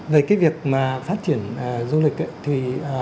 về cái việc mà phát triển du lịch ấy